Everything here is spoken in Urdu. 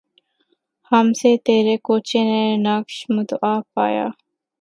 ہم سے تیرے کوچے نے نقش مدعا پایا